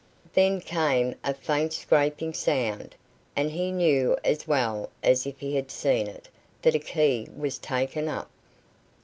Then came a faint scraping sound, and he knew as well as if he had seen it, that a key was taken up.